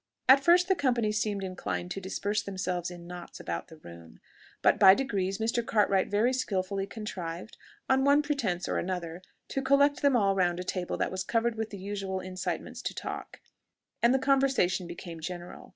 At first the company seemed inclined to disperse themselves in knots about the room; but by degrees Mr. Cartwright very skilfully contrived, on one pretence or another, to collect them all round a table that was covered with the usual incitements to talk, and the conversation became general.